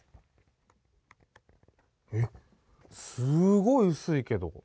えっすごいうすいけど。